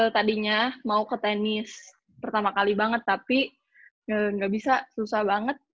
tadinya mau ke tenis pertama kali banget tapi gak bisa susah banget